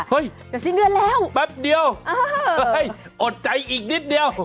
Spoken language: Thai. จะสิ้นเดือนแล้วแป๊บเดียวอดใจอีกนิดเดียว